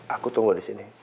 aku tunggu disini